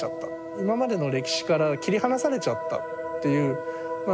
今までの歴史から切り離されちゃったっていうまあ